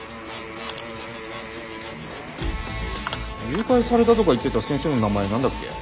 誘拐されたとか言ってた先生の名前何だっけ？